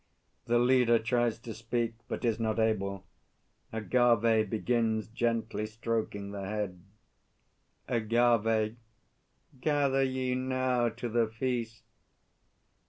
[The LEADER tries to speak, but is not able; AGAVE begins gently stroking the head. AGAVE. Gather ye now to the feast!